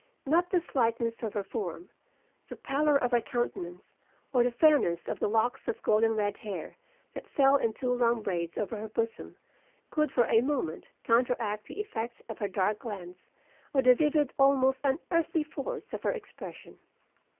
Not the slightness of her form, the palor of her countenance, or the fairness of the locks of golden red hair that fell in two long braids over her bosom, could for a moment counteract the effect of her dark glance or the vivid almost unearthly force of her expression.